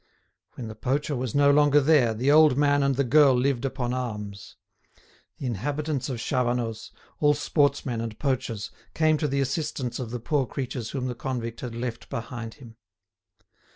When the poacher was no longer there, the old man and the girl lived upon alms. The inhabitants of Chavanoz, all sportsmen and poachers, came to the assistance of the poor creatures whom the convict had left behind him.